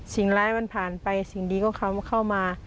สิ่งร้ายมันผ่านไปสิ่งดีก็เข้ามา